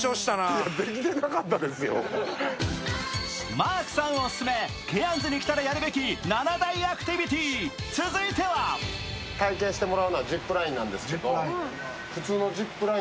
マークさんオススメケアンズに来たらやるべき七大アクティビティー続いては人生これから！